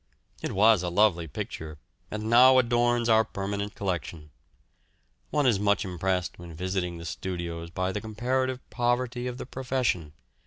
It was a lovely picture, and now adorns our permanent collection. One is much impressed when visiting the studios by the comparative poverty of the profession.